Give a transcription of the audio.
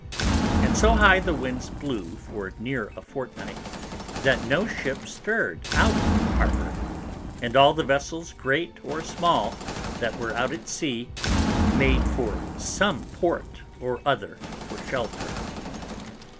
And so high the Winds blew for near a Fortnight, that no Ship stirr'd out of Harbour; and all the Vessels, great or small, that were out at Sea, made for some Port or other for shelter.